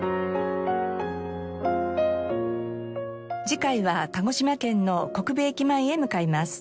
次回は鹿児島県の国分駅前へ向かいます。